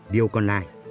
điều còn lại